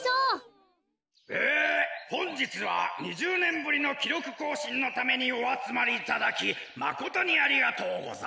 えほんじつは２０ねんぶりのきろくこうしんのためにおあつまりいただきまことにありがとうございます。